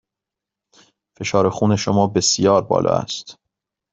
فشار خون شما بسیار بالا است.